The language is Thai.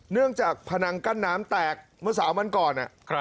เนื่องจากพนังกั้นน้ำแตกเมื่อ๓วันก่อน